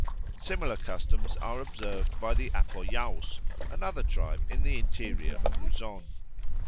Similar customs are observed by the Apoyaos, another tribe in the interior of Luzon.